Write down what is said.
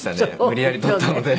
無理やり取ったので。